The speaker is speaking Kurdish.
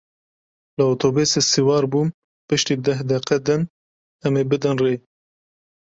Li otobusê siwar bûm, pişti deh deqe din em ê bidin rê.